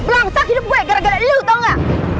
blangsak hidup gue gara gara lo tau ga